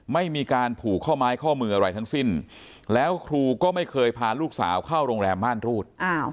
ไม่มีการผูกข้อไม้ข้อมืออะไรทั้งสิ้นแล้วครูก็ไม่เคยพาลูกสาวเข้าโรงแรมม่านรูด